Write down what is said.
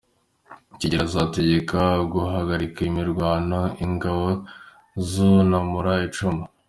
Kigeli ategeka guhagarika imirwano, ingabo zunamura icumu.